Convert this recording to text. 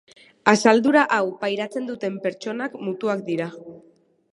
Asaldura hau pairatzen duten pertsonak mutuak dira.